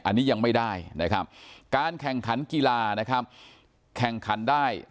อันนี้ยังไม่ได้นะครับการแข่งขันกีฬานะครับแข่งขันได้